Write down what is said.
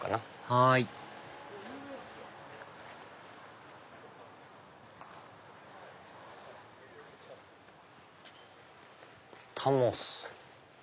はいタモス。